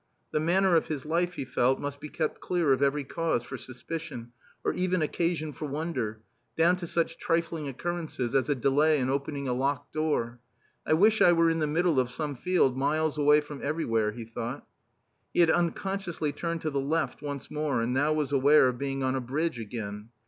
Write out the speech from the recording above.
The manner of his life, he felt, must be kept clear of every cause for suspicion or even occasion for wonder, down to such trifling occurrences as a delay in opening a locked door. "I wish I were in the middle of some field miles away from everywhere," he thought. He had unconsciously turned to the left once more and now was aware of being on a bridge again.